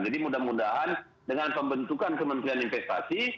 jadi mudah mudahan dengan pembentukan kementerian investasi